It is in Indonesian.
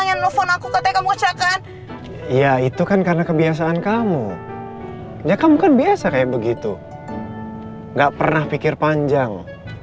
ya itu kan karena kebiasaan kamu ya kamu kan biasa kayak begitu nggak pernah pikir panjang